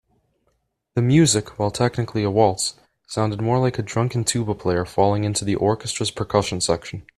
The music, while technically a waltz, sounded more like a drunken tuba player falling into the orchestra's percussion section.